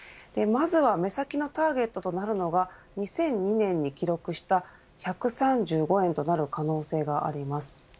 まずは目先のターゲットとなるのは２００２年に記録した１３５円となる可能性があります。